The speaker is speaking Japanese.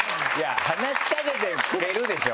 「話しかけてくれる」でしょ？